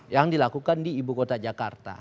yang dilakukan di ibu kota jakarta